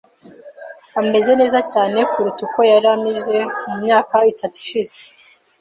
Ameze neza cyane kuruta uko yari ameze mu myaka itatu ishize.